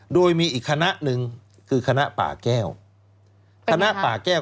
โดยมีอีกคณะหนึ่งคือคณะป่าแก้ว